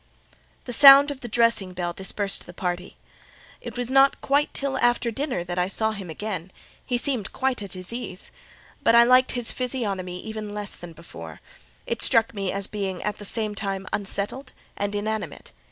The sound of the dressing bell dispersed the party. It was not till after dinner that I saw him again: he then seemed quite at his ease. But I liked his physiognomy even less than before: it struck me as being at the same time unsettled and inanimate.